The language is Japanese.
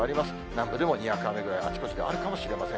南部でもにわか雨ぐらい、あちこちであるかもしれません。